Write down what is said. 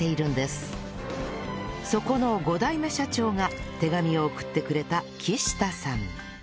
そこの５代目社長が手紙を送ってくれた木下さん